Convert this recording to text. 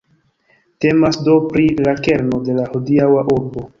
Temas do pri la kerno de la hodiaŭa urbo.